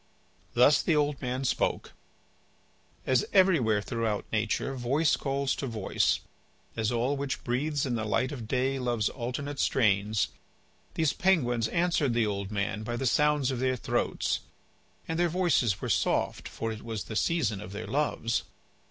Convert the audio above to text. Thus the old man spoke. As everywhere throughout nature voice calls to voice, as all which breathes in the light of day loves alternate strains, these penguins answered the old man by the sounds of their throats. And their voices were soft, for it was the season of their loves.